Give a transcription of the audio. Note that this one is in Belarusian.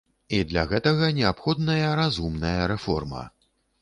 І для гэтага неабходная разумная рэформа.